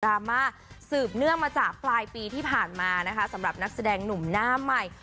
ราม่าสืบเนื่องมาจากปลายปีที่ผ่านมานะคะสำหรับนักแสดงหนุ่มหน้าใหม่